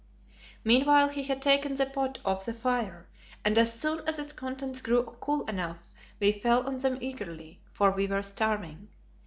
Meanwhile he had taken the pot off the fire, and as soon as its contents grew cool enough we fell on them eagerly, for we were starving.